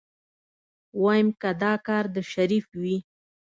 ويم که دا کار د شريف وي.